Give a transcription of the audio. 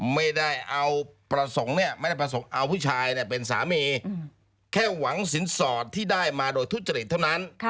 ไม่ได้เอาประสงค์เอาผู้ชายเป็นสามีแค่หวังสินสอบที่ได้มาโดยทุจริงเท่านั้น